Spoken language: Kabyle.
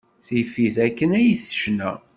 Tif-it akken ay tecna.